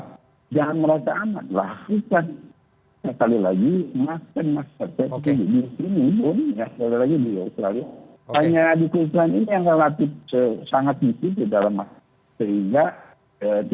tetap jangan merasa amat lah sehingga sekali lagi minum lainnya di keselan ini yang relatif sangat